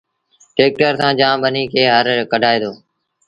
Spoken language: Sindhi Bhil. ٽيڪٽر سآݩ جآم ٻنيٚ کي هر ڪڍآئي دو